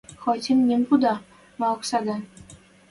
«Хоть имним пуда! Мӓ оксаде